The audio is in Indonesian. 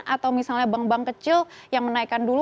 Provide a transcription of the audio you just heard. atau misalnya bank bank kecil yang menaikkan dulu